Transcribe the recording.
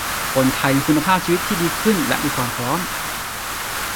คนไทยมีคุณภาพชีวิตที่ดีขึ้นและมีความพร้อม